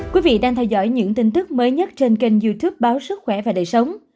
các bạn đang theo dõi những tin tức mới nhất trên kênh youtube báo sức khỏe và đầy sống